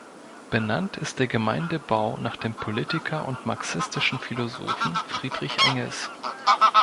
Benannt ist der Gemeindebau nach dem Politiker und marxistischen Philosophen Friedrich Engels.